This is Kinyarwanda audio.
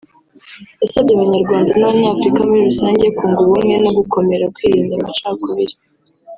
yasabye Abanyarwanda n’Abanyafurika muri rusange kunga ubumwe no gukomera kwirinda amacakubiri